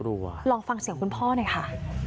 ลองฟังเสียงคุณพ่อหน่อยค่ะ